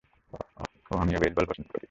ওহ, আমিও বেসবল পছন্দ করি।